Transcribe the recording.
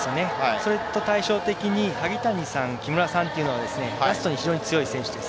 それと対照的に萩谷さん木村さんというのはラストに非常に強い選手です。